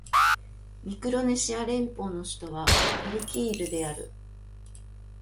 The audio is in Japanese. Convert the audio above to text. ミクロネシア連邦の首都はパリキールである